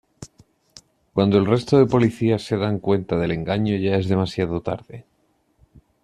Cuando el resto de policías se dan cuenta del engaño ya es demasiado tarde.